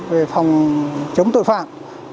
về phòng chống tội phạm